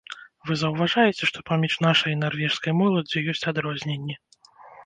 Вы заўважаеце, што паміж нашай і нарвежскай моладдзю ёсць адрозненні.